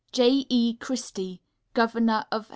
J. E. CHRISTIE, Governor of H.